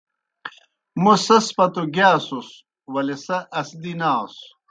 موْ سیْس پتو گِیاسُس ولے سہ اسدی ناسوْ۔